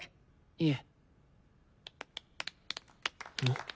いえ。